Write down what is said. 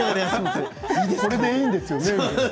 それでいいんですよね？